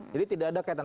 jadi tidak ada kaitan